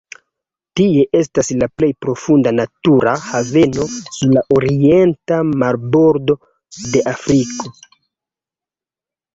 Tie estas la plej profunda natura haveno sur la orienta marbordo de Afriko.